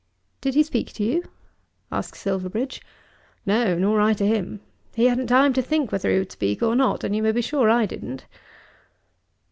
"Did he speak to you?" asked Silverbridge. "No; nor I to him. He hadn't time to think whether he would speak or not, and you may be sure I didn't."